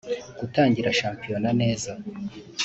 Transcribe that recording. Gutangira shampiyona neza